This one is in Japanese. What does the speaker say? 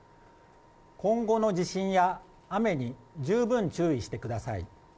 今後の地震や雨に十分注意してください。